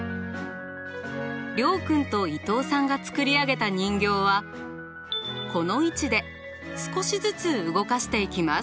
諒君と伊藤さんが作り上げた人形はこの位置で少しずつ動かしていきます。